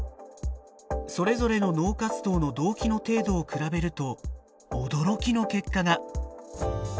それぞれの脳活動の同期の程度を比べると驚きの結果が。